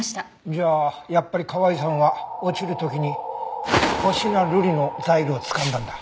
じゃあやっぱり河合さんは落ちる時に星名瑠璃のザイルをつかんだんだ。